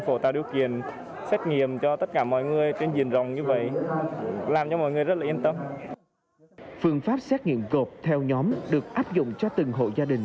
phương pháp xét nghiệm gộp theo nhóm được áp dụng cho từng hộ gia đình